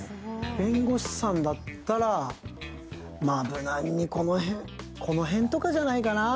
弁護士さんだったら、まあ、無難にこの辺とかじゃないかな。